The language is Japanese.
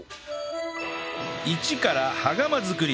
イチから羽釜作り